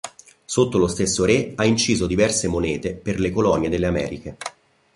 Sotto lo stesso re ha inciso diverse monete per le colonie delle Americhe.